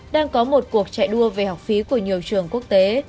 đang có một cuộc chạy đua về học phí của nhiều trường quốc tế